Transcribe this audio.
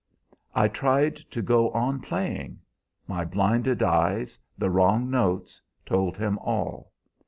I tried to go on playing. My blinded eyes, the wrong notes, told him all.